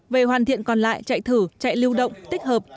về hoàn thiện còn lại chạy thử chạy lưu động tích hợp